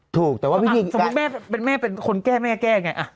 ถูกแต่ว่าผู้หญิงสมมุติแม่เป็นคนแก้แม่แก้ไง